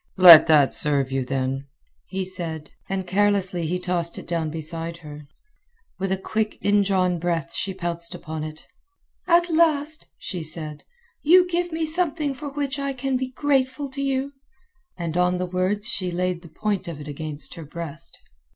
"Let that serve you, then," he said; and carelessly he tossed it down beside her. With a quick indrawn breath she pounced upon it. "At last," she said, "you give me something for which I can be grateful to you." And on the words she laid the point of it against her breast.